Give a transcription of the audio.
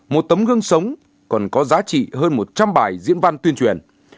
một tấm gương sống còn có giá trị hơn một trăm linh bài diễn văn tuyên truyền